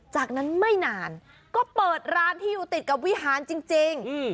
จากนั้นไม่นานก็เปิดร้านที่อยู่ติดกับวิหารจริง